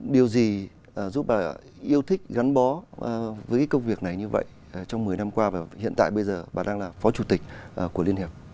điều gì giúp bà yêu thích gắn bó với công việc này như vậy trong một mươi năm qua và hiện tại bây giờ bà đang là phó chủ tịch của liên hiệp